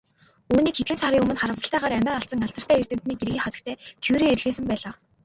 Үүнийг хэдхэн сарын өмнө харамсалтайгаар амиа алдсан алдартай эрдэмтний гэргий хатагтай Кюре илгээсэн байлаа.